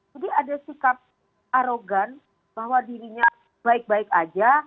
jadi ada sikap arogan bahwa dirinya baik baik aja